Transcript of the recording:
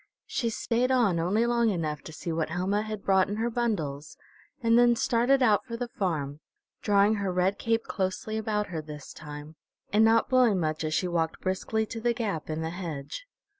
She stayed on only long enough to see what Helma had brought in her bundles, and then started out for the farm, drawing her red cape closely about her this time, and not blowing much as she walked briskly to the gap in the hedge.